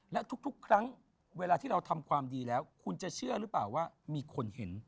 และทุกครั้งเวลาที่เราทำความดีแล้วคุณจะเชื่อหรือเปล่าว่ามีคนเห็น